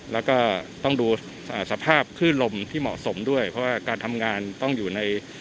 แล้วก็ต้องดูสภาพคลื่นลมที่เหมาะสมด้วยเพราะว่าการทำงานต้องอยู่ใน